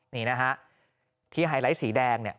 นี่นะฮะที่ไฮไลท์สีแดงเนี่ย